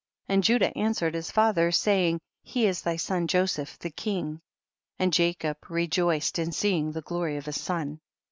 and Judah answered his father, saying, he is thy son Joseph the king ; and Jacob re joiced in seeing the glory of his son.